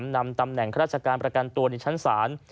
นำตำแหน่งข้าราชการประกันตัวในชั้นศาล